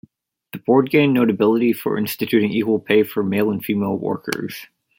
The board gained notability for instituting equal pay for male and female workers.